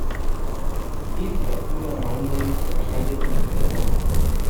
Kirk captura a uno de los atacantes y lo interroga.